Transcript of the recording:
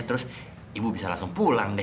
terus ibu bisa langsung pulang deh